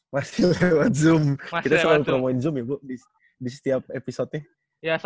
masih lewat zoom kita selalu promoin zoom ya bu di setiap episode nya